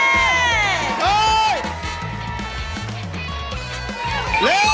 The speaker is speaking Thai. น้ำ